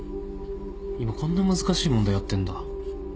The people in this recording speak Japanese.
今こんな難しい問題やってんだ。